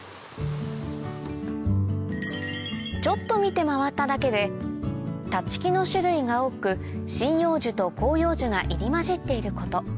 ちょっと見て回っただけで立木の種類が多く針葉樹と広葉樹が入り交じっていること